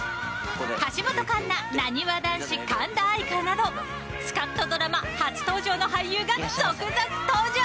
橋本環奈、なにわ男子神田愛花などスカッとドラマ初登場の俳優が続々登場。